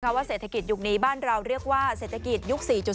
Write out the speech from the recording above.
ว่าเศรษฐกิจยุคนี้บ้านเราเรียกว่าเศรษฐกิจยุค๔๐